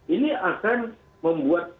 ini akan membuat